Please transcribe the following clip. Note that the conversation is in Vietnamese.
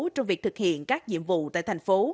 trong việc thực hiện các nhiệm vụ tại thành phố